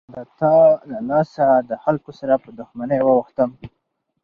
د تا له لاسه دخلکو سره په دښمنۍ واوښتم.